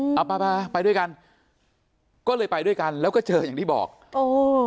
เอาไปไปด้วยกันก็เลยไปด้วยกันแล้วก็เจออย่างที่บอกโอ้